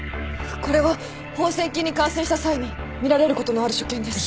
これは放線菌に感染した際に見られることのある所見です。